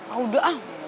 oh udah ang